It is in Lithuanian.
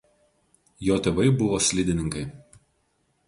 Jo tėvai buvo slidininkai.